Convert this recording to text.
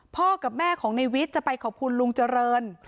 พ่อกับแม่ของในวิทย์จะไปขอบคุณลุงเจริญ